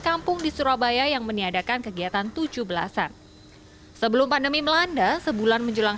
kampung di surabaya yang meniadakan kegiatan tujuh belas an sebelum pandemi melanda sebulan menjelang